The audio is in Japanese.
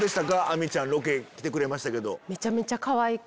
あみちゃんロケ来てくれましたけど。